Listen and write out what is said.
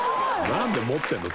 なんで持ってんの？